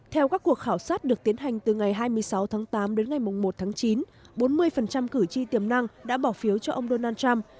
theo các cuộc khảo sát được tiến hành từ ngày hai mươi sáu tháng tám đến ngày một tháng chín bốn mươi cử tri tiềm năng đã bỏ phiếu cho ông donald trump